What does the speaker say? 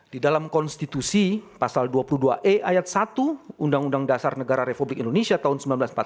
di dalam konstitusi pasal dua puluh dua e ayat satu undang undang dasar negara republik indonesia tahun seribu sembilan ratus empat puluh lima